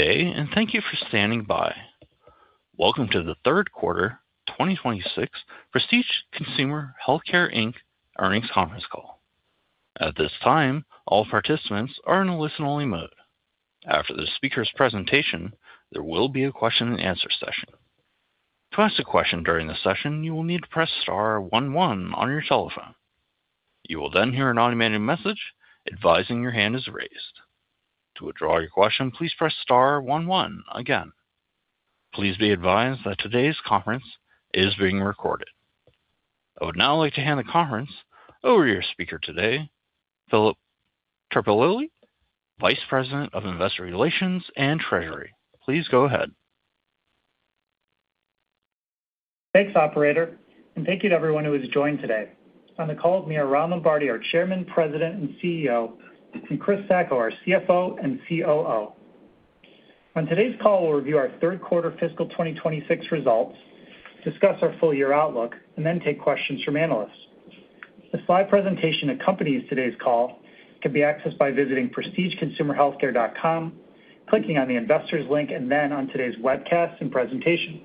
Good day and thank you for standing by. Welcome to the Third Quarter, 2026, Prestige Consumer Healthcare Inc. Earnings Conference Call. At this time, all participants are in a listen-only mode. After the speaker's presentation, there will be a question-and-answer session. To ask a question during the session, you will need to press star 11 on your telephone. You will then hear an automated message advising your hand is raised. To withdraw your question, please press star 11 again. Please be advised that today's conference is being recorded. I would now like to hand the conference over to your speaker today, Phil Terpolilli, Vice President of Investor Relations and Treasury. Please go ahead. Thanks, operator, and thank you to everyone who has joined today. On the call with me are Ron Lombardi, our Chairman, President, and CEO, and Chris Sacco, our CFO and COO. On today's call, we'll review our Third Quarter Fiscal 2026 results, discuss our full-year outlook, and then take questions from analysts. The slide presentation accompanies today's call can be accessed by visiting prestige-consumerhealthcare.com, clicking on the investors link, and then on today's webcast and presentation.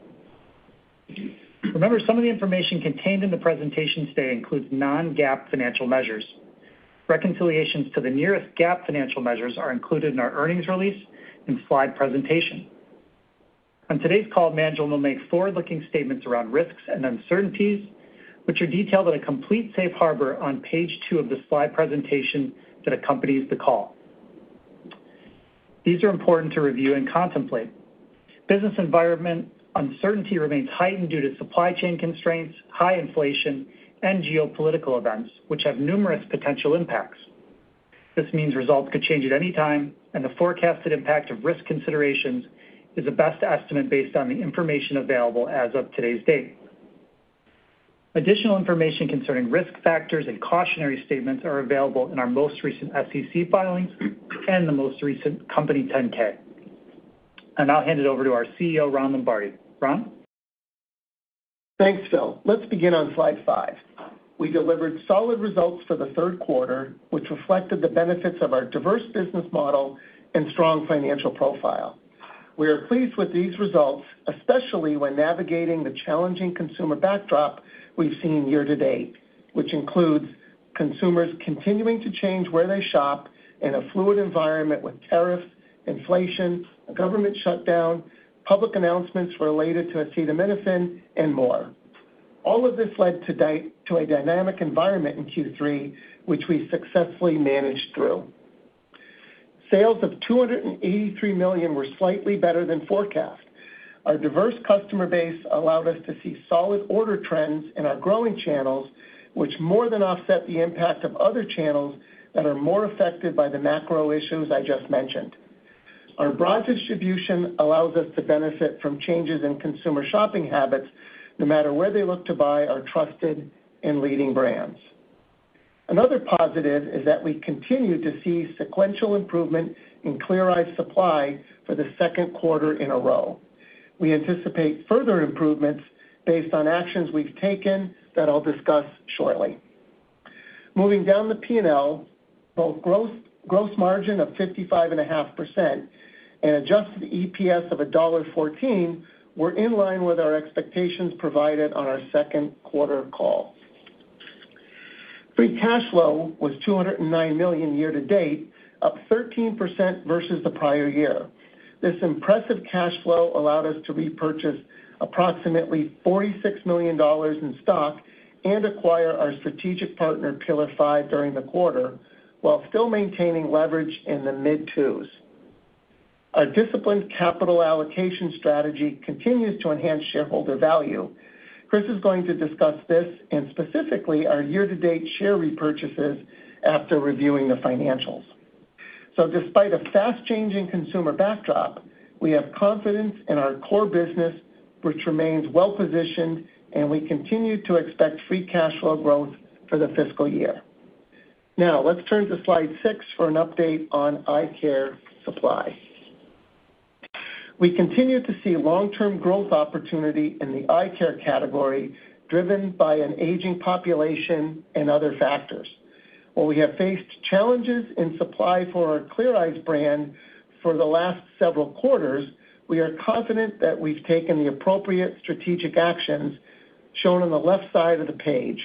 Remember, some of the information contained in the presentation today includes non-GAAP financial measures. Reconciliations to the nearest GAAP financial measures are included in our earnings release and slide presentation. On today's call, management will make forward-looking statements around risks and uncertainties, which are detailed at a complete safe harbor on page two of the slide presentation that accompanies the call. These are important to review and contemplate. Business environment uncertainty remains heightened due to supply chain constraints, high inflation, and geopolitical events, which have numerous potential impacts. This means results could change at any time, and the forecasted impact of risk considerations is the best estimate based on the information available as of today's date. Additional information concerning risk factors and cautionary statements are available in our most recent SEC filings and the most recent company 10-K. I'll now hand it over to our CEO, Ron Lombardi. Ron? Thanks, Phil. Let's begin on slide five. We delivered solid results for the third quarter, which reflected the benefits of our diverse business model and strong financial profile. We are pleased with these results, especially when navigating the challenging consumer backdrop we've seen year to date, which includes consumers continuing to change where they shop in a fluid environment with tariffs, inflation, a government shutdown, public announcements related to acetaminophen, and more. All of this led to a dynamic environment in Q3, which we successfully managed through. Sales of $283 million were slightly better than forecast. Our diverse customer base allowed us to see solid order trends in our growing channels, which more than offset the impact of other channels that are more affected by the macro issues I just mentioned. Our broad distribution allows us to benefit from changes in consumer shopping habits, no matter where they look to buy, our trusted and leading brands. Another positive is that we continue to see sequential improvement in Clear Eyes supply for the second quarter in a row. We anticipate further improvements based on actions we've taken that I'll discuss shortly. Moving down the P&L, both gross margin of 55.5% and adjusted EPS of $1.14 were in line with our expectations provided on our second quarter call. Free cash flow was $209 million year to date, up 13% versus the prior year. This impressive cash flow allowed us to repurchase approximately $46 million in stock and acquire our strategic partner, Pillar5, during the quarter while still maintaining leverage in the mid-2s. Our disciplined capital allocation strategy continues to enhance shareholder value. Chris is going to discuss this and specifically our year-to-date share repurchases after reviewing the financials. So despite a fast-changing consumer backdrop, we have confidence in our core business, which remains well-positioned, and we continue to expect free cash flow growth for the fiscal year. Now, let's turn to slide 6 for an update on eye care supply. We continue to see long-term growth opportunity in the eye care category, driven by an aging population and other factors. While we have faced challenges in supply for our Clear Eyes brand for the last several quarters, we are confident that we've taken the appropriate strategic actions shown on the left side of the page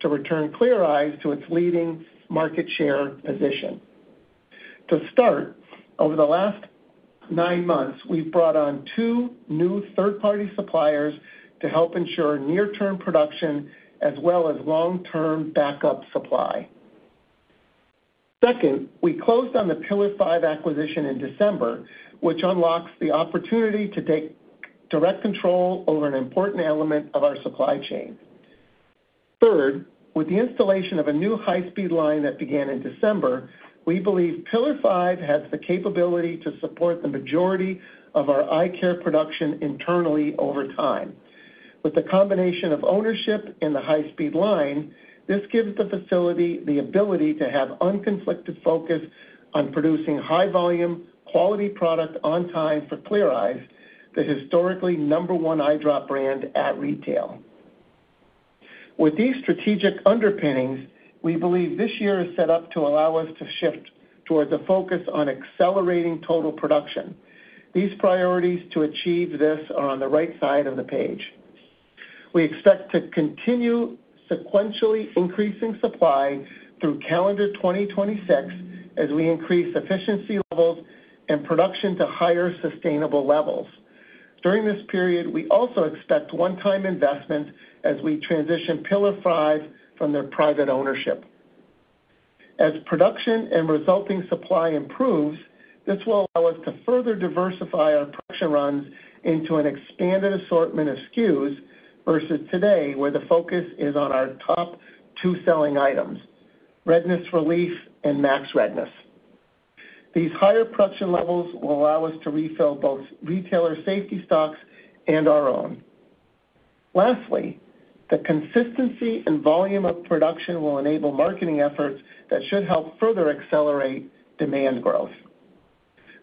to return Clear Eyes to its leading market share position. To start, over the last nine months, we've brought on two new third-party suppliers to help ensure near-term production as well as long-term backup supply. Second, we closed on the Pillar5 acquisition in December, which unlocks the opportunity to take direct control over an important element of our supply chain. Third, with the installation of a new high-speed line that began in December, we believe Pillar5 has the capability to support the majority of our eye care production internally over time. With the combination of ownership in the high-speed line, this gives the facility the ability to have unconflicted focus on producing high-volume, quality product on time for Clear Eyes, the historically number one eyedrop brand at retail. With these strategic underpinnings, we believe this year is set up to allow us to shift towards a focus on accelerating total production. These priorities to achieve this are on the right side of the page. We expect to continue sequentially increasing supply through calendar 2026 as we increase efficiency levels and production to higher sustainable levels. During this period, we also expect one-time investments as we transition Pillar5 from their private ownership. As production and resulting supply improves, this will allow us to further diversify our production runs into an expanded assortment of SKUs versus today, where the focus is on our top two selling items, Redness Relief and Max Redness. These higher production levels will allow us to refill both retailer safety stocks and our own. Lastly, the consistency and volume of production will enable marketing efforts that should help further accelerate demand growth.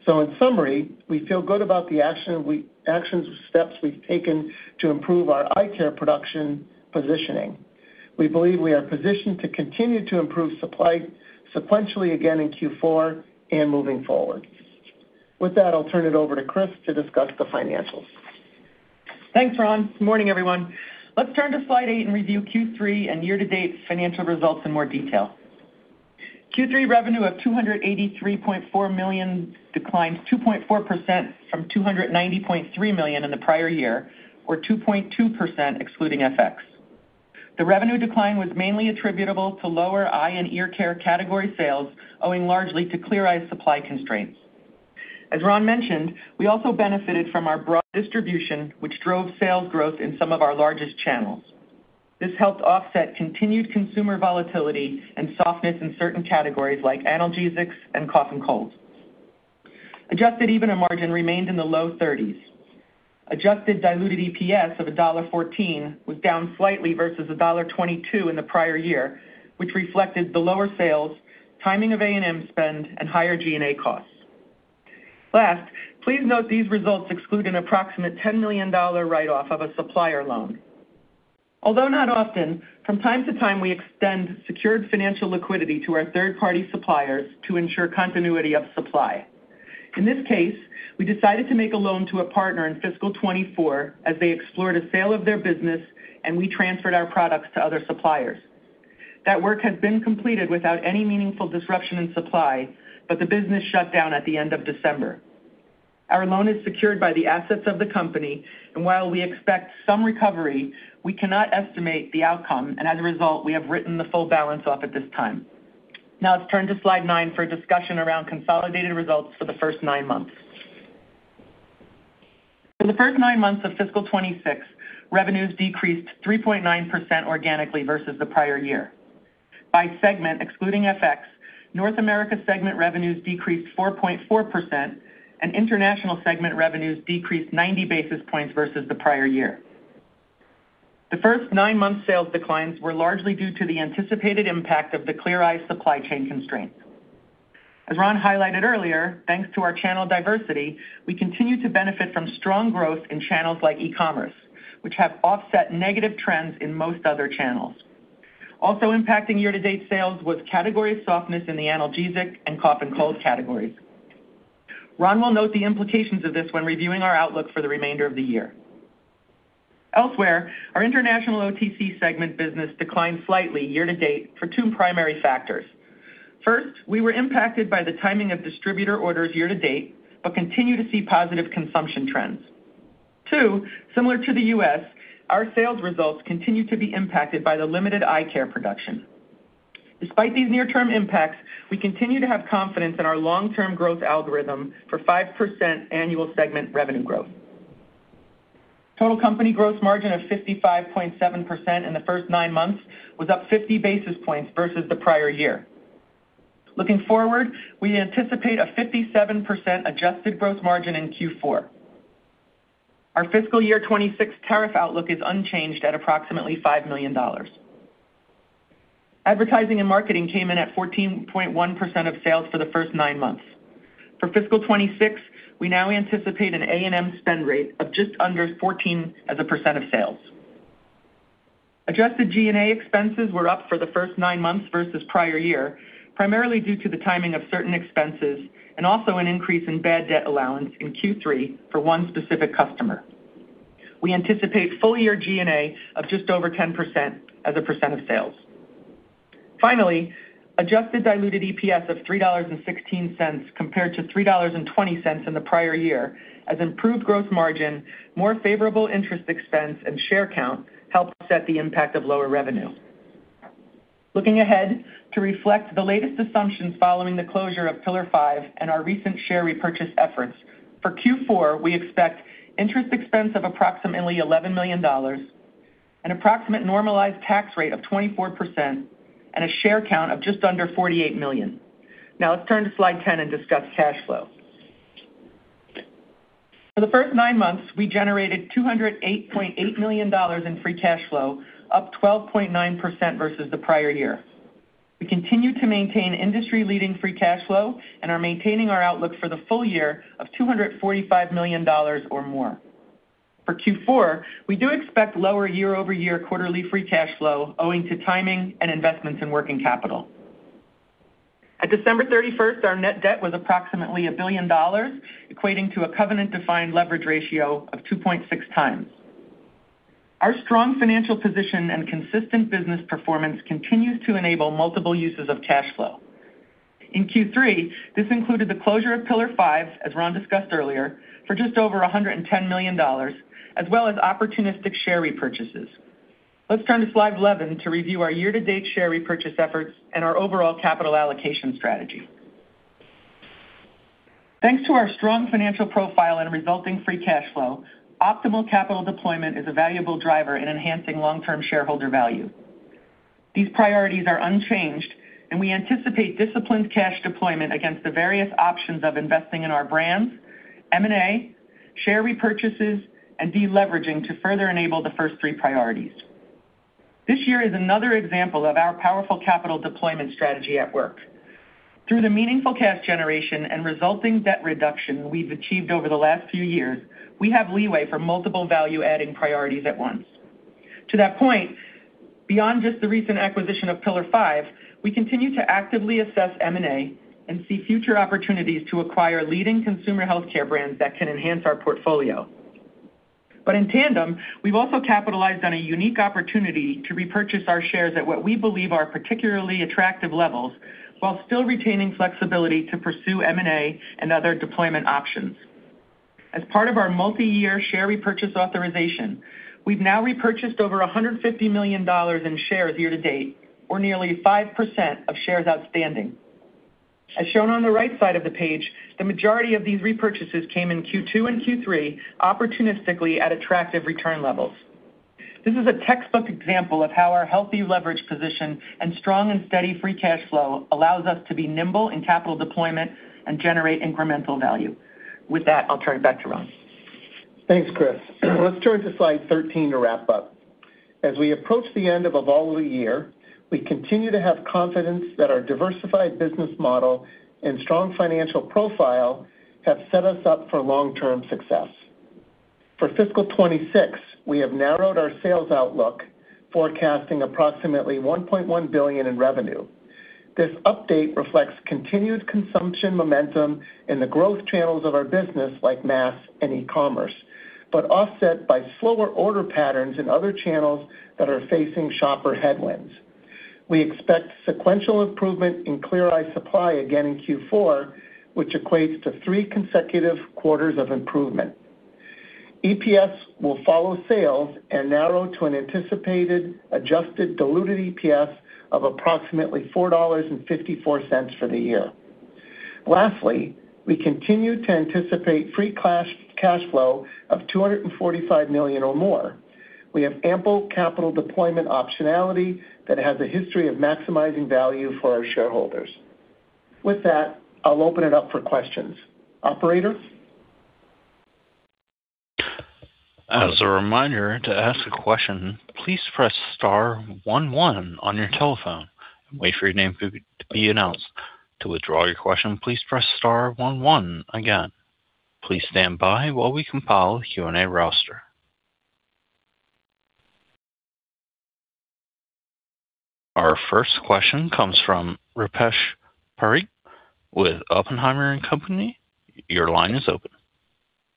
So in summary, we feel good about the actions and steps we've taken to improve our eye care production positioning. We believe we are positioned to continue to improve supply sequentially again in Q4 and moving forward. With that, I'll turn it over to Chris to discuss the financials. Thanks, Ron. Good morning, everyone. Let's turn to slide eight and review Q3 and year-to-date financial results in more detail. Q3 revenue of $283.4 million declined 2.4% from $290.3 million in the prior year, or 2.2% excluding FX. The revenue decline was mainly attributable to lower eye and ear care category sales, owing largely to Clear Eyes supply constraints. As Ron mentioned, we also benefited from our broad distribution, which drove sales growth in some of our largest channels. This helped offset continued consumer volatility and softness in certain categories like analgesics and cough and colds. Adjusted EBITDA margin remained in the low 30s. Adjusted diluted EPS of $1.14 was down slightly versus $1.22 in the prior year, which reflected the lower sales, timing of A&M spend, and higher G&A costs. Last, please note these results exclude an approximate $10 million write-off of a supplier loan. Although not often, from time to time, we extend secured financial liquidity to our third-party suppliers to ensure continuity of supply. In this case, we decided to make a loan to a partner in fiscal 2024 as they explored a sale of their business, and we transferred our products to other suppliers. That work has been completed without any meaningful disruption in supply, but the business shut down at the end of December. Our loan is secured by the assets of the company, and while we expect some recovery, we cannot estimate the outcome, and as a result, we have written the full balance off at this time. Now, let's turn to slide nine for a discussion around consolidated results for the first nine months. For the first nine months of fiscal 2026, revenues decreased 3.9% organically versus the prior year. By segment excluding FX, North America segment revenues decreased 4.4%, and international segment revenues decreased 90 basis points versus the prior year. The first nine months' sales declines were largely due to the anticipated impact of the Clear Eyes supply chain constraints. As Ron highlighted earlier, thanks to our channel diversity, we continue to benefit from strong growth in channels like e-commerce, which have offset negative trends in most other channels. Also impacting year-to-date sales was category softness in the analgesic and cough and cold categories. Ron will note the implications of this when reviewing our outlook for the remainder of the year. Elsewhere, our international OTC segment business declined slightly year to date for two primary factors. First, we were impacted by the timing of distributor orders year to date but continue to see positive consumption trends. Two, similar to the US, our sales results continue to be impacted by the limited eye care production. Despite these near-term impacts, we continue to have confidence in our long-term growth algorithm for 5% annual segment revenue growth. Total company gross margin of 55.7% in the first nine months was up 50 basis points versus the prior year. Looking forward, we anticipate a 57% adjusted gross margin in Q4. Our fiscal year 2026 tariff outlook is unchanged at approximately $5 million. Advertising and marketing came in at 14.1% of sales for the first nine months. For fiscal 2026, we now anticipate an A&M spend rate of just under 14% of sales. Adjusted G&A expenses were up for the first nine months versus prior year, primarily due to the timing of certain expenses and also an increase in bad debt allowance in Q3 for one specific customer. We anticipate full-year G&A of just over 10% as a percent of sales. Finally, adjusted diluted EPS of $3.16 compared to $3.20 in the prior year as improved gross margin, more favorable interest expense, and share count help offset the impact of lower revenue. Looking ahead to reflect the latest assumptions following the closure of Pillar5 and our recent share repurchase efforts, for Q4, we expect interest expense of approximately $11 million, an approximate normalized tax rate of 24%, and a share count of just under 48 million. Now, let's turn to slide 10 and discuss cash flow. For the first nine months, we generated $208.8 million in free cash flow, up 12.9% versus the prior year. We continue to maintain industry-leading free cash flow and are maintaining our outlook for the full year of $245 million or more. For Q4, we do expect lower year-over-year quarterly free cash flow, owing to timing and investments in working capital. At December 31st, our net debt was approximately $1 billion, equating to a covenant-defined leverage ratio of 2.6x. Our strong financial position and consistent business performance continues to enable multiple uses of cash flow. In Q3, this included the closure of Pillar5, as Ron discussed earlier, for just over $110 million, as well as opportunistic share repurchases. Let's turn to slide 11 to review our year-to-date share repurchase efforts and our overall capital allocation strategy. Thanks to our strong financial profile and resulting free cash flow, optimal capital deployment is a valuable driver in enhancing long-term shareholder value. These priorities are unchanged, and we anticipate disciplined cash deployment against the various options of investing in our brands, M&A, share repurchases, and deleveraging to further enable the first three priorities. This year is another example of our powerful capital deployment strategy at work. Through the meaningful cash generation and resulting debt reduction we've achieved over the last few years, we have leeway for multiple value-adding priorities at once. To that point, beyond just the recent acquisition of Pillar5, we continue to actively assess M&A and see future opportunities to acquire leading consumer healthcare brands that can enhance our portfolio. But in tandem, we've also capitalized on a unique opportunity to repurchase our shares at what we believe are particularly attractive levels while still retaining flexibility to pursue M&A and other deployment options. As part of our multi-year share repurchase authorization, we've now repurchased over $150 million in shares year to date, or nearly 5% of shares outstanding. As shown on the right side of the page, the majority of these repurchases came in Q2 and Q3 opportunistically at attractive return levels. This is a textbook example of how our healthy leverage position and strong and steady Free Cash Flow allows us to be nimble in capital deployment and generate incremental value. With that, I'll turn it back to Ron. Thanks, Chris. Let's turn to slide 13 to wrap up. As we approach the end of a volatile year, we continue to have confidence that our diversified business model and strong financial profile have set us up for long-term success. For fiscal 2026, we have narrowed our sales outlook, forecasting approximately $1.1 billion in revenue. This update reflects continued consumption momentum in the growth channels of our business like mass and e-commerce, but offset by slower order patterns in other channels that are facing shopper headwinds. We expect sequential improvement in Clear Eyes supply again in Q4, which equates to three consecutive quarters of improvement. EPS will follow sales and narrow to an anticipated adjusted diluted EPS of approximately $4.54 for the year. Lastly, we continue to anticipate free cash flow of $245 million or more. We have ample capital deployment optionality that has a history of maximizing value for our shareholders. With that, I'll open it up for questions. Operator? As a reminder to ask a question, please press star 11 on your telephone and wait for your name to be announced. To withdraw your question, please press star 11 again. Please stand by while we compile the Q&A roster. Our first question comes from Rupesh Parikh with Oppenheimer & Company your line is open.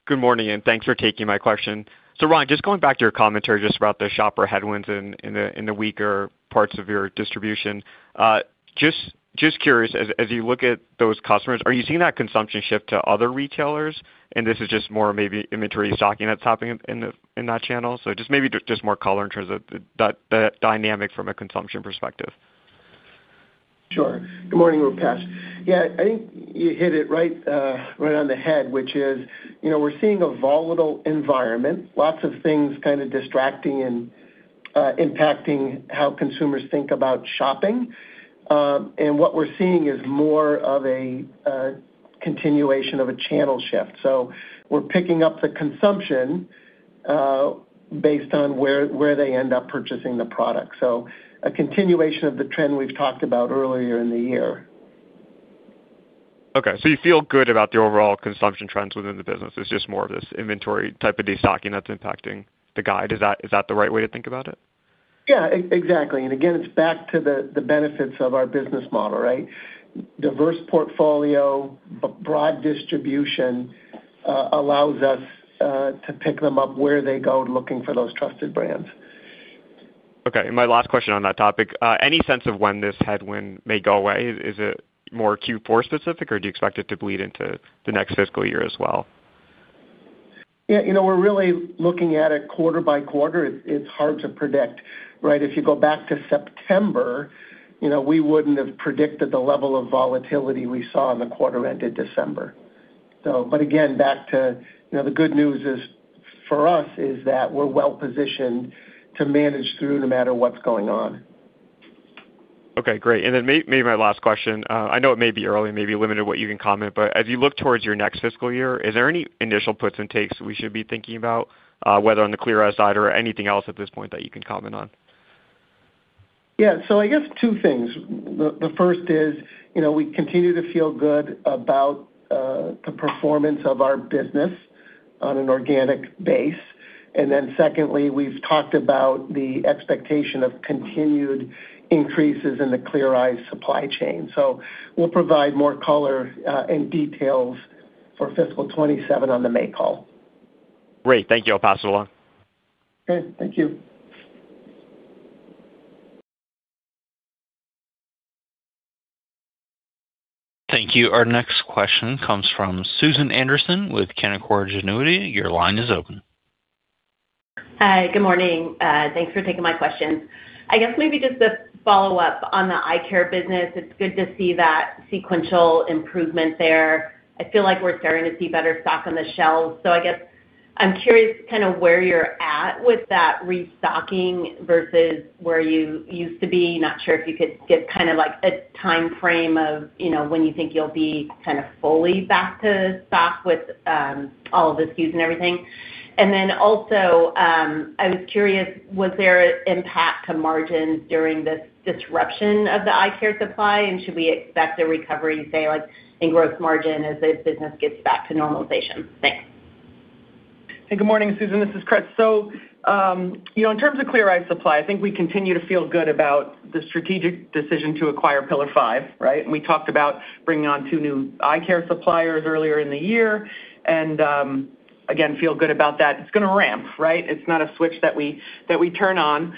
Good morning, and thanks for taking my question. So Ron, just going back to your commentary just about the shopper headwinds in the weaker parts of your distribution, just curious, as you look at those customers, are you seeing that consumption shift to other retailers? And this is just more maybe inventory stocking that's happening in that channel. So just maybe just more color in terms of the dynamic from a consumption perspective. Sure. Good morning, Rupesh. Yeah, I think you hit it right on the head, which is we're seeing a volatile environment, lots of things kind of distracting and impacting how consumers think about shopping. And what we're seeing is more of a continuation of a channel shift. So we're picking up the consumption based on where they end up purchasing the product. So a continuation of the trend we've talked about earlier in the year. Okay. So you feel good about the overall consumption trends within the business. It's just more of this inventory type of destocking that's impacting the guide. Is that the right way to think about it? Yeah, exactly. And again, it's back to the benefits of our business model, right? Diverse portfolio, broad distribution allows us to pick them up where they go looking for those trusted brands. Okay. My last question on that topic, any sense of when this headwind may go away? Is it more Q4 specific, or do you expect it to bleed into the next fiscal year as well? Yeah, we're really looking at it quarter by quarter. It's hard to predict, right? If you go back to September, we wouldn't have predicted the level of volatility we saw in the quarter ended December. But again, back to the good news for us is that we're well-positioned to manage through no matter what's going on. Okay. Great. And then maybe my last question. I know it may be early, maybe limited what you can comment, but as you look towards your next fiscal year, is there any initial puts and takes we should be thinking about, whether on the Clear Eyes side or anything else at this point that you can comment on? Yeah. So I guess two things. The first is we continue to feel good about the performance of our business on an organic basis. And then secondly, we've talked about the expectation of continued increases in the Clear Eyes supply chain. So we'll provide more color and details for fiscal 2027 on the May call. Great. Thank you. I'll pass it along. Okay. Thank you. Thank you. Our next question comes from Susan Anderson with Canaccord Genuity. Your line is open. Hi. Good morning. Thanks for taking my questions. I guess maybe just a follow-up on the eye care business. It's good to see that sequential improvement there. I feel like we're starting to see better stock on the shelves. So I guess I'm curious kind of where you're at with that restocking versus where you used to be. Not sure if you could get kind of a timeframe of when you think you'll be kind of fully back to stock with all of the SKUs and everything. And then also, I was curious, was there an impact to margins during this disruption of the eye care supply, and should we expect a recovery, say, in gross margin as the business gets back to normalization? Thanks. Hey, good morning, Susan. This is Chris. So in terms of Clear Eyes supply, I think we continue to feel good about the strategic decision to acquire Pillar5, right? And we talked about bringing on two new eye care suppliers earlier in the year and, again, feel good about that. It's going to ramp, right? It's not a switch that we turn on.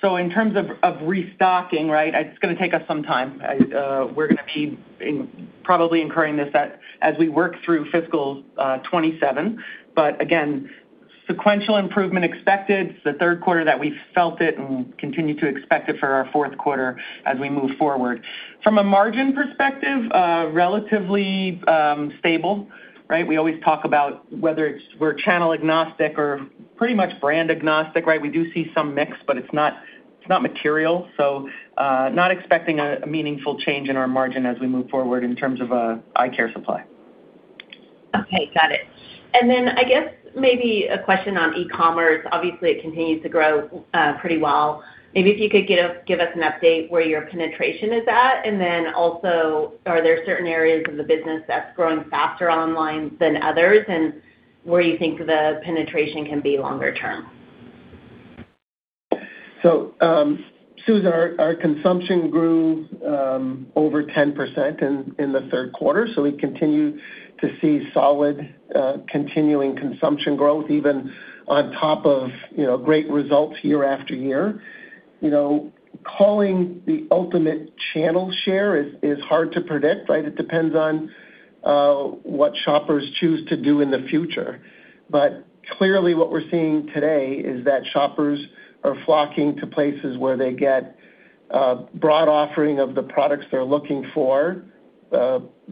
So in terms of restocking, right, it's going to take us some time. We're going to be probably incurring this as we work through fiscal 2027. But again, sequential improvement expected. It's the third quarter that we felt it and continue to expect it for our fourth quarter as we move forward. From a margin perspective, relatively stable, right? We always talk about whether we're channel-agnostic or pretty much brand-agnostic, right? We do see some mix, but it's not material. So not expecting a meaningful change in our margin as we move forward in terms of eye care supply. Okay. Got it. And then I guess maybe a question on e-commerce. Obviously, it continues to grow pretty well. Maybe if you could give us an update where your penetration is at? And then also, are there certain areas of the business that's growing faster online than others, and where you think the penetration can be longer-term? So Susan, our consumption grew over 10% in the third quarter. So we continue to see solid continuing consumption growth even on top of great results year after year. Calling the ultimate channel share is hard to predict, right? It depends on what shoppers choose to do in the future. But clearly, what we're seeing today is that shoppers are flocking to places where they get a broad offering of the products they're looking for,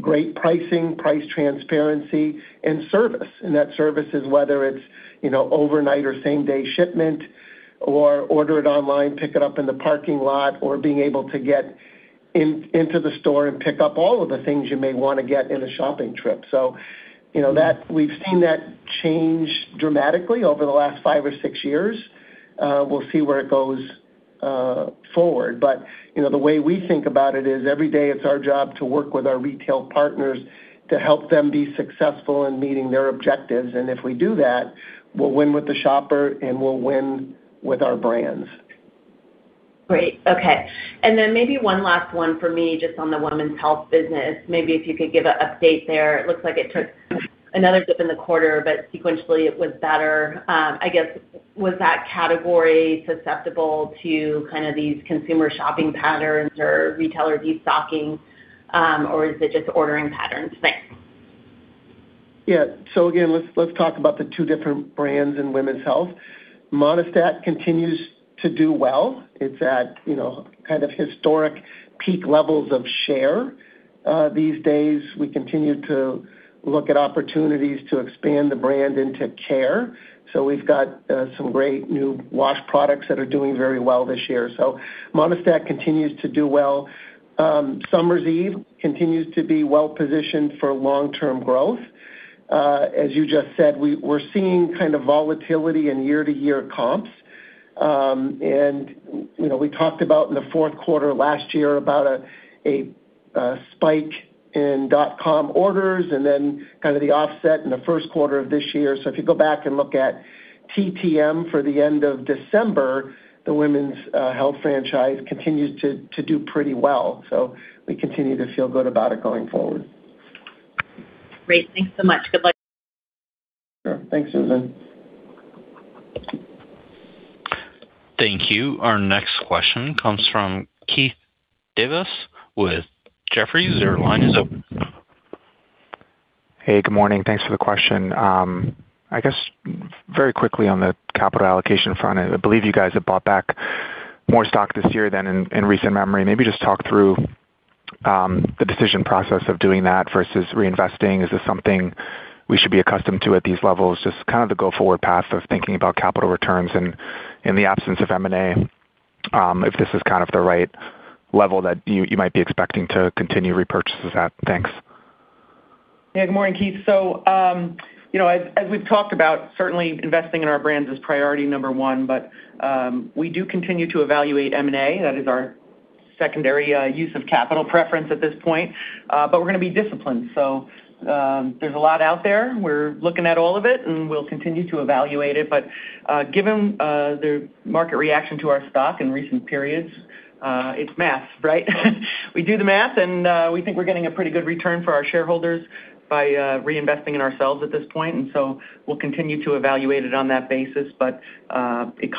great pricing, price transparency, and service. And that service is whether it's overnight or same-day shipment or order it online, pick it up in the parking lot, or being able to get into the store and pick up all of the things you may want to get in a shopping trip. So we've seen that change dramatically over the last five or six years. We'll see where it goes forward. But the way we think about it is every day, it's our job to work with our retail partners to help them be successful in meeting their objectives. And if we do that, we'll win with the shopper, and we'll win with our brands. Great. Okay. And then maybe one last one for me just on the women's health business. Maybe if you could give an update there. It looks like it took another dip in the quarter, but sequentially, it was better. I guess, was that category susceptible to kind of these consumer shopping patterns or retailer destocking, or is it just ordering patterns? Thanks. Yeah. So again, let's talk about the two different brands in women's health. Monistat continues to do well. It's at kind of historic peak levels of share these days. We continue to look at opportunities to expand the brand into care. So we've got some great new wash products that are doing very well this year. So Monistat continues to do well. Summer's Eve continues to be well-positioned for long-term growth. As you just said, we're seeing kind of volatility and year-to-year comps. And we talked about in the fourth quarter last year about a spike in dot-com orders and then kind of the offset in the first quarter of this year. So if you go back and look at TTM for the end of December, the women's health franchise continues to do pretty well. So we continue to feel good about it going forward. Great. Thanks so much. Good luck. Sure. Thanks, Susan. Thank you. Our next question comes from Keith Davis with Jefferies. Your line is open. Hey, good morning. Thanks for the question. I guess very quickly on the capital allocation front, I believe you guys have bought back more stock this year than in recent memory. Maybe just talk through the decision process of doing that versus reinvesting. Is this something we should be accustomed to at these levels? Just kind of the go-forward path of thinking about capital returns in the absence of M&A, if this is kind of the right level that you might be expecting to continue repurchases at. Thanks. Yeah. Good morning, Keith. So as we've talked about, certainly, investing in our brands is priority number one. But we do continue to evaluate M&A. That is our secondary use of capital preference at this point. But we're going to be disciplined. So there's a lot out there. We're looking at all of it, and we'll continue to evaluate it. But given the market reaction to our stock in recent periods, it's math, right? We do the math, and we think we're getting a pretty good return for our shareholders by reinvesting in ourselves at this point. And so we'll continue to evaluate it on that basis. But it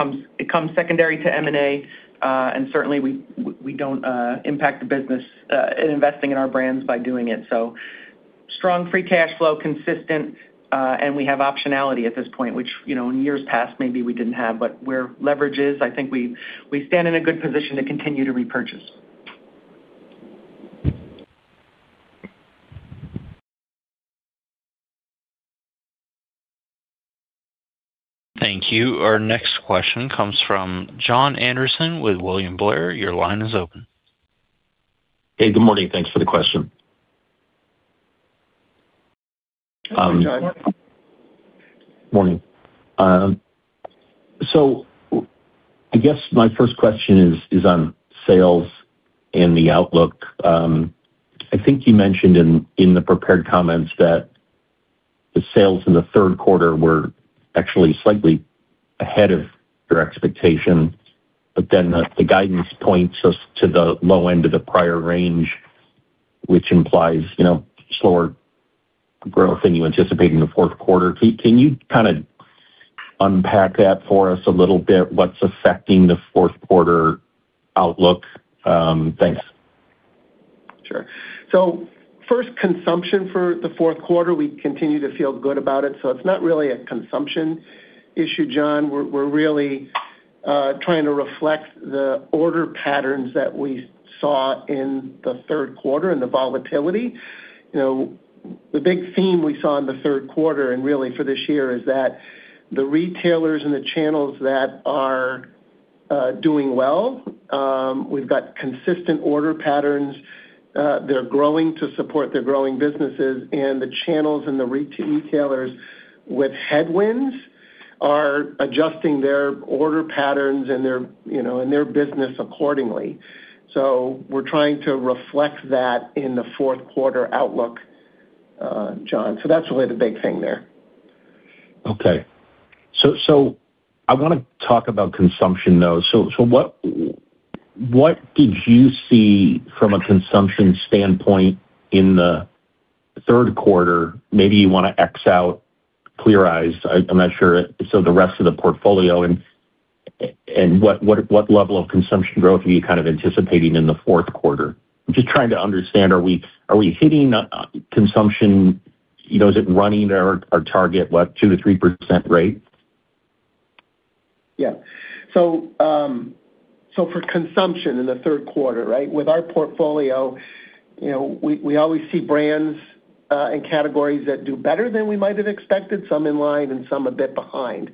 comes secondary to M&A. And certainly, we don't impact the business in investing in our brands by doing it. So strong free cash flow, consistent, and we have optionality at this point, which in years past, maybe we didn't have. But where leverage is, I think we stand in a good position to continue to repurchase. Thank you. Our next question comes from Jon Anderson with William Blair. Your line is open. Hey, good morning. Thanks for the question. Good morning, Jon. Morning. So I guess my first question is on sales and the outlook. I think you mentioned in the prepared comments that the sales in the third quarter were actually slightly ahead of your expectation. But then the guidance points us to the low end of the prior range, which implies slower growth than you anticipated in the fourth quarter. Can you kind of unpack that for us a little bit? What's affecting the fourth quarter outlook? Thanks. Sure. So first, consumption for the fourth quarter, we continue to feel good about it. So it's not really a consumption issue, John. We're really trying to reflect the order patterns that we saw in the third quarter and the volatility. The big theme we saw in the third quarter, and really for this year, is that the retailers and the channels that are doing well, we've got consistent order patterns. They're growing to support their growing businesses. And the channels and the retailers with headwinds are adjusting their order patterns and their business accordingly. So we're trying to reflect that in the fourth quarter outlook, John. So that's really the big thing there. Okay. So I want to talk about consumption, though. So what did you see from a consumption standpoint in the third quarter? Maybe you want to X out Clear Eyes. I'm not sure. So the rest of the portfolio, and what level of consumption growth are you kind of anticipating in the fourth quarter? I'm just trying to understand, are we hitting consumption? Is it running our target, what, 2%-3% rate? Yeah. So for consumption in the third quarter, right, with our portfolio, we always see brands and categories that do better than we might have expected, some in line and some a bit behind.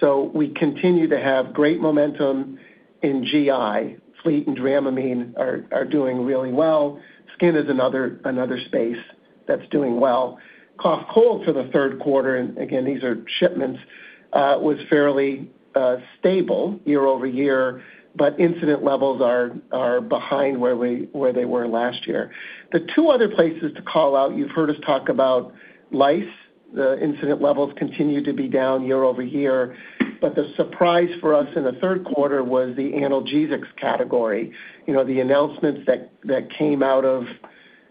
So we continue to have great momentum in GI. Fleet and Dramamine are doing really well. Skin is another space that's doing well. Cough & Cold for the third quarter, and again, these are shipments, was fairly stable year-over-year. But incident levels are behind where they were last year. The two other places to call out, you've heard us talk about Lice. The incident levels continue to be down year-over-year. But the surprise for us in the third quarter was the analgesics category. The announcements that came out on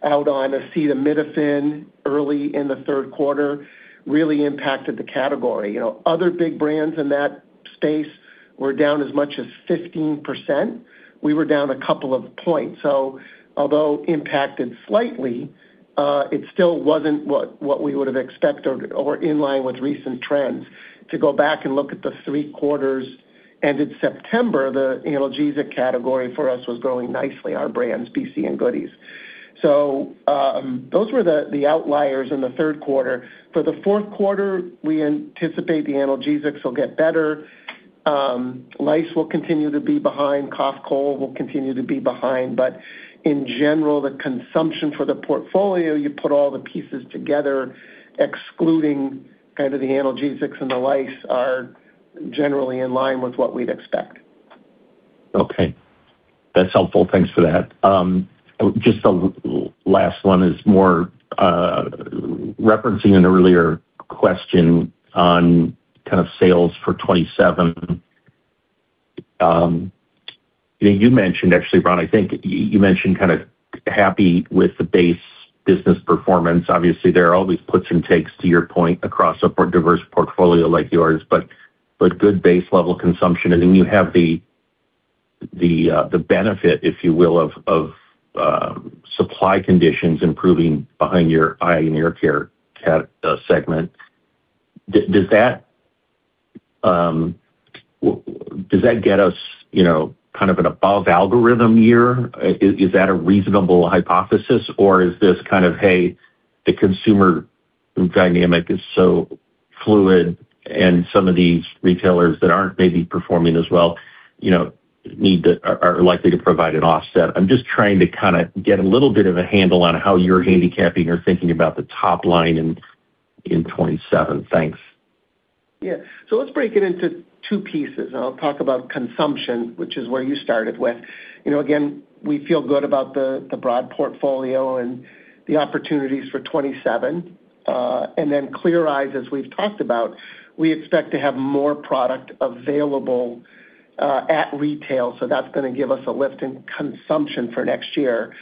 acetaminophen early in the third quarter really impacted the category. Other big brands in that space were down as much as 15%. We were down a couple of points. So although impacted slightly, it still wasn't what we would have expected or in line with recent trends. To go back and look at the three quarters ended September, the analgesic category for us was growing nicely, our brands, BC and Goody's. So those were the outliers in the third quarter. For the fourth quarter, we anticipate the analgesics will get better. Lice will continue to be behind. Cough & Cold will continue to be behind. But in general, the consumption for the portfolio, you put all the pieces together, excluding kind of the analgesics and the Lice, are generally in line with what we'd expect. Okay. That's helpful. Thanks for that. Just the last one is more referencing an earlier question on kind of sales for 2027. You mentioned, actually, Ron, I think you mentioned kind of happy with the base business performance. Obviously, there are always puts and takes, to your point, across a diverse portfolio like yours. But good base-level consumption, and then you have the benefit, if you will, of supply conditions improving behind your eye and ear care segment. Does that get us kind of an above-algorithm year? Is that a reasonable hypothesis, or is this kind of, "Hey, the consumer dynamic is so fluid, and some of these retailers that aren't maybe performing as well are likely to provide an offset"? I'm just trying to kind of get a little bit of a handle on how you're handicapping or thinking about the top line in 2027. Thanks. Yeah. So let's break it into two pieces. I'll talk about consumption, which is where you started with. Again, we feel good about the broad portfolio and the opportunities for 2027. And then Clear Eyes, as we've talked about, we expect to have more product available at retail. So that's going to give us a lift in consumption for next year.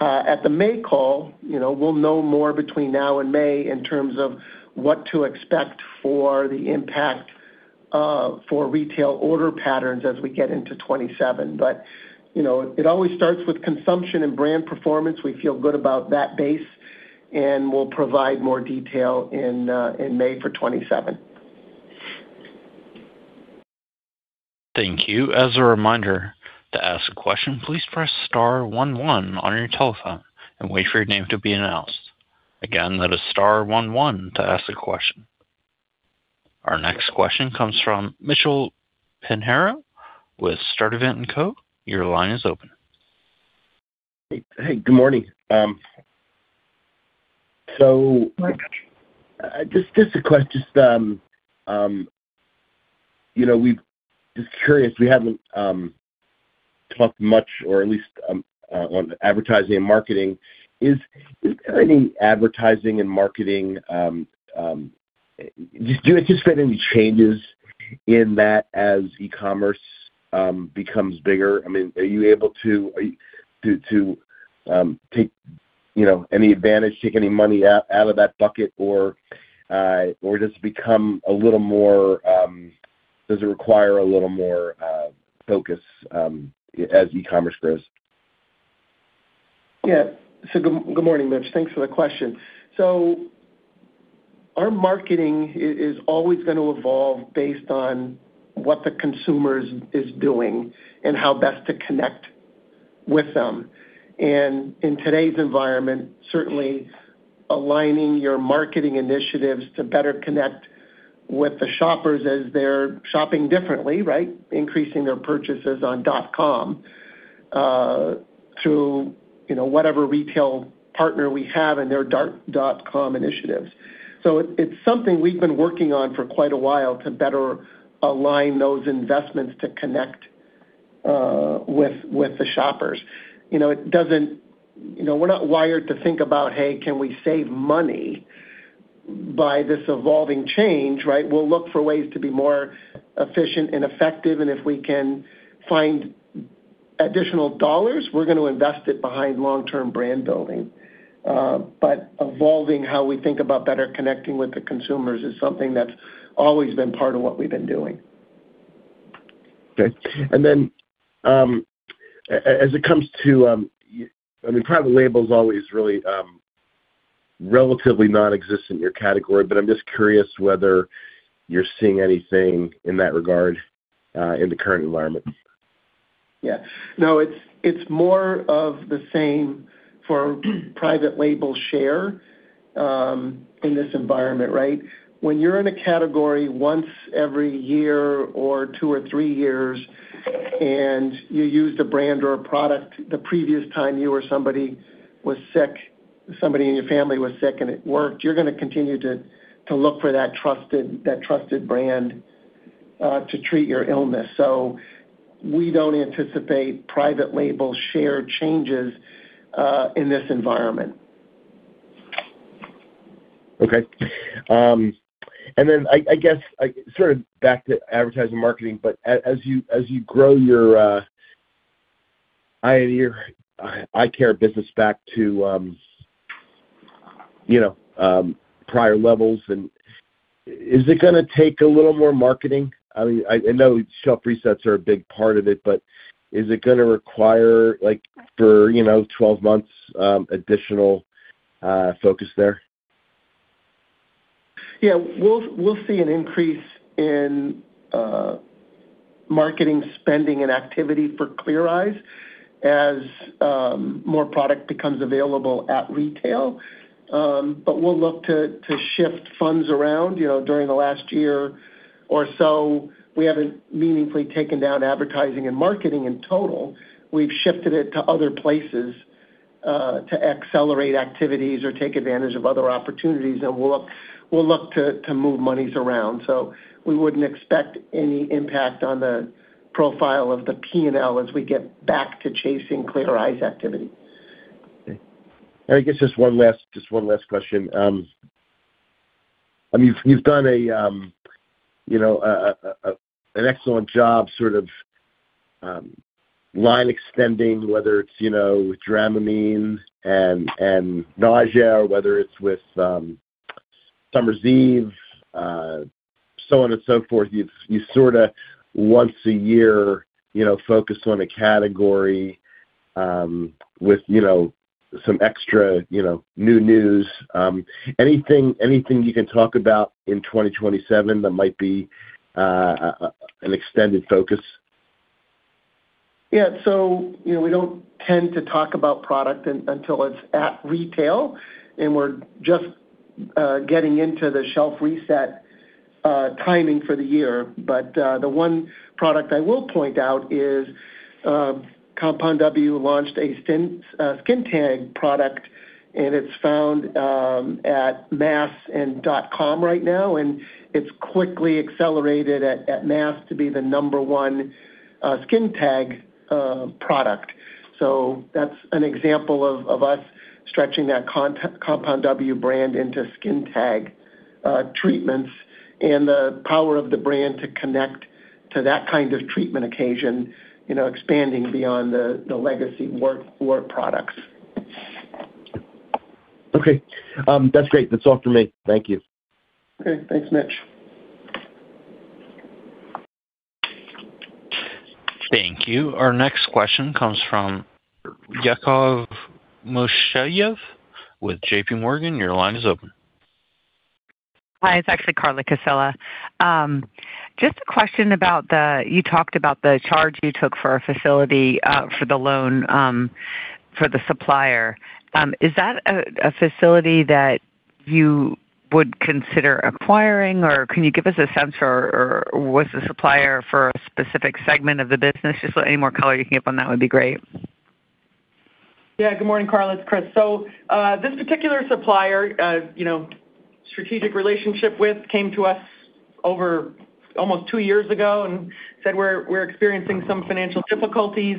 At the May call, we'll know more between now and May in terms of what to expect for the impact for retail order patterns as we get into 2027. But it always starts with consumption and brand performance. We feel good about that base, and we'll provide more detail in May for 2027. Thank you. As a reminder to ask a question, please press star one one on your telephone and wait for your name to be announced. Again, press star one one to ask a question. Our next question comes from Mitchell Pinheiro with Sturdivant & Co. Your line is open. Hey, good morning. So just a question. Just curious, we haven't talked much, or at least on advertising and marketing. Is there any advertising and marketing do you anticipate any changes in that as e-commerce becomes bigger? I mean, are you able to take any advantage, take any money out of that bucket, or does it become a little more does it require a little more focus as e-commerce grows? Yeah. So good morning, Mitch. Thanks for the question. So our marketing is always going to evolve based on what the consumer is doing and how best to connect with them. And in today's environment, certainly, aligning your marketing initiatives to better connect with the shoppers as they're shopping differently, right, increasing their purchases on dot-com through whatever retail partner we have and their dot-com initiatives. So it's something we've been working on for quite a while to better align those investments to connect with the shoppers. We're not wired to think about, "Hey, can we save money by this evolving change," right? We'll look for ways to be more efficient and effective. And if we can find additional dollars, we're going to invest it behind long-term brand building. Evolving how we think about better connecting with the consumers is something that's always been part of what we've been doing. Okay. And then as it comes to I mean, private label's always really relatively nonexistent in your category, but I'm just curious whether you're seeing anything in that regard in the current environment? Yeah. No, it's more of the same for private label share in this environment, right? When you're in a category once every year or two or three years, and you used a brand or a product the previous time you or somebody was sick, somebody in your family was sick, and it worked, you're going to continue to look for that trusted brand to treat your illness. So we don't anticipate private label share changes in this environment. Okay. And then I guess sort of back to advertising marketing, but as you grow your eye and ear eye care business back to prior levels, is it going to take a little more marketing? I mean, I know shelf resets are a big part of it, but is it going to require, for 12 months, additional focus there? Yeah. We'll see an increase in marketing spending and activity for Clear Eyes as more product becomes available at retail. But we'll look to shift funds around. During the last year or so, we haven't meaningfully taken down advertising and marketing in total. We've shifted it to other places to accelerate activities or take advantage of other opportunities. And we'll look to move monies around. So we wouldn't expect any impact on the profile of the P&L as we get back to chasing Clear Eyes activity. Okay. Alrigh, it's just one last question. I mean, you've done an excellent job sort of line extending, whether it's with Dramamine and Nauzene, or whether it's with Summer's Eve, so on and so forth. You sort of, once a year, focus on a category with some extra new news. Anything you can talk about in 2027 that might be an extended focus? Yeah. So we don't tend to talk about product until it's at retail. And we're just getting into the shelf reset timing for the year. But the one product I will point out is Compound W launched a skin tag product, and it's found at mass and dot-com right now. And it's quickly accelerated at mass to be the number one skin tag product. So that's an example of us stretching that Compound W brand into skin tag treatments and the power of the brand to connect to that kind of treatment occasion, expanding beyond the legacy wart products. Okay. That's great. That's all from me. Thank you. Okay. Thanks, Mitch. Thank you. Our next question comes from Carla Casella with JP Morgan. Your line is open. Hi. It's actually Carla Casella. Just a question about the charge you talked about for the facility for the loan for the supplier. Is that a facility that you would consider acquiring, or can you give us a sense for what's the supplier for a specific segment of the business? Just any more color you can give on that would be great. Yeah. Good morning, Carla. It's Chris. So this particular supplier, strategic relationship with, came to us almost two years ago and said we're experiencing some financial difficulties,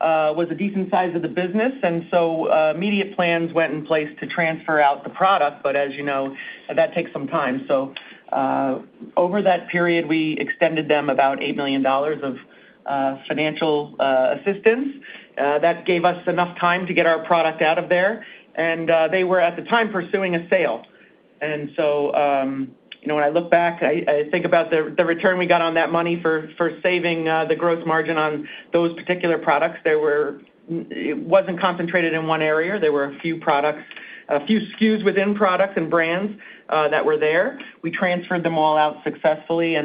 was a decent size of the business. And so immediate plans went in place to transfer out the product. But as you know, that takes some time. So over that period, we extended them about $8 million of financial assistance. That gave us enough time to get our product out of there. And they were, at the time, pursuing a sale. And so when I look back, I think about the return we got on that money for saving the gross margin on those particular products. It wasn't concentrated in one area. There were a few products, a few SKUs within products and brands that were there. We transferred them all out successfully.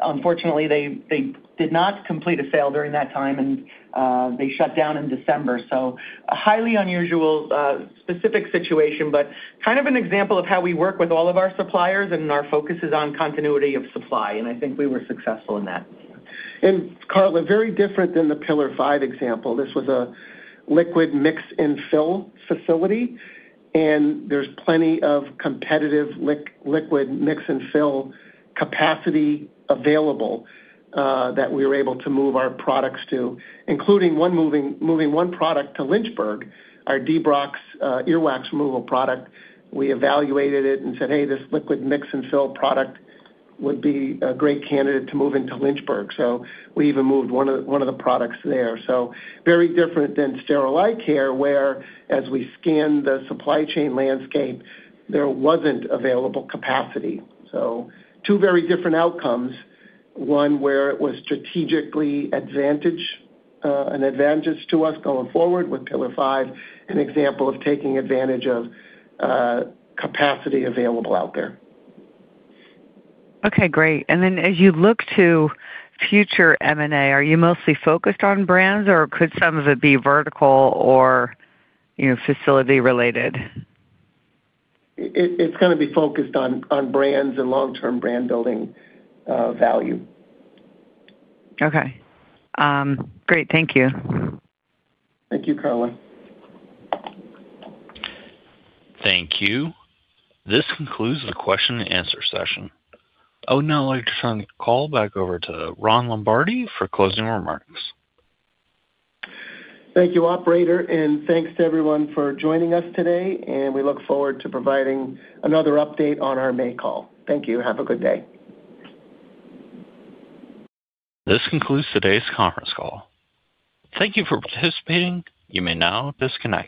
Unfortunately, they did not complete a sale during that time, and they shut down in December. So a highly unusual specific situation, but kind of an example of how we work with all of our suppliers, and our focus is on continuity of supply. I think we were successful in that. Carla, very different than the Pillar5 example. This was a liquid mix and fill facility. There's plenty of competitive liquid mix and fill capacity available that we were able to move our products to, including moving one product to Lynchburg, our Debrox earwax removal product. We evaluated it and said, "Hey, this liquid mix and fill product would be a great candidate to move into Lynchburg." We even moved one of the products there. Very different than sterile eye care, where, as we scanned the supply chain landscape, there wasn't available capacity. Two very different outcomes. One where it was strategically an advantage to us going forward with Pillar5, an example of taking advantage of capacity available out there. Okay. Great. And then as you look to future M&A, are you mostly focused on brands, or could some of it be vertical or facility-related? It's going to be focused on brands and long-term brand building value. Okay. Great. Thank you. Thank you, Carla. Thank you. This concludes the question and answer session. Oh, no. I just want to call back over to Ron Lombardi for closing remarks. Thank you, operator. Thanks to everyone for joining us today. We look forward to providing another update on our May call. Thank you. Have a good day. This concludes today's conference call. Thank you for participating. You may now disconnect.